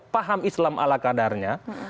paham islam ala kadarnya